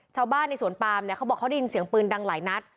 ชาวบ้านในสวนปามเนี่ยเขาบอกเขาได้ยินเสียงปืนดังหลายนัด